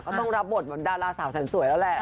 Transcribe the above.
ต้องรับบทเหมือนดาราสาวแสนสวยแล้วแหละ